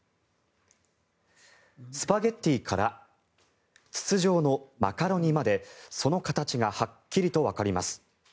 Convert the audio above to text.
スパゲティから筒状のマカロニまでその形がはっきりとわかります。